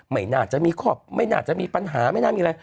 ไม่น่าจะมีข้อไม่น่าจะมีปัญหาไม่น่ามีอะไร